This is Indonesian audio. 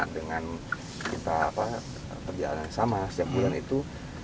dengan kita perjalanan yang sama setiap bulan itu